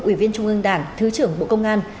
ủy viên trung ương đảng thứ trưởng bộ công an